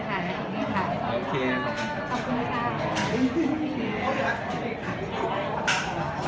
ขอบคุณค่ะ